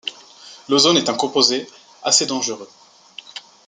L'ozone est un composé assez dangereux.